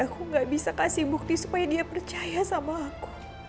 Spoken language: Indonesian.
aku gak bisa kasih bukti supaya dia percaya sama aku